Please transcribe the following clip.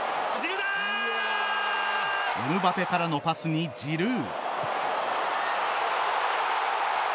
エムバペからのパスに、ジルー。